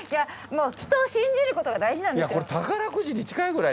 人を信じることが大事なんですよ。